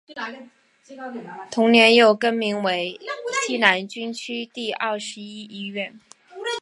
同年又更名为西南军区第二十一医院。